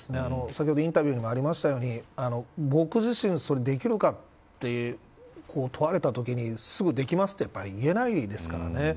先ほどインタビューにもありましたように僕自身、それができるかって問われたときにすぐできますと言えないですからね。